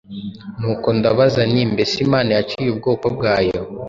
Nuko ndabaza nti ‘Mbese Imana yaciye ubwoko bwayo?’